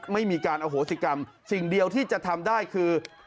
ไม่มีการอโหสิกรรมสิ่งเดียวที่จะทำได้คือ